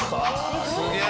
すげえ！